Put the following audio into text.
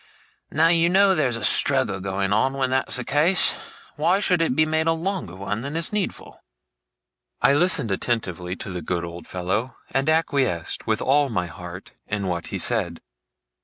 Now, you know, there's a struggle going on when that's the case. Why should it be made a longer one than is needful?' I listened attentively to the good old fellow, and acquiesced, with all my heart, in what he said.